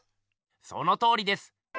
そのとおりです！